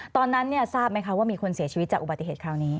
ตอนนั้นทราบไหมคะว่ามีคนเสียชีวิตจากอุบัติเหตุคราวนี้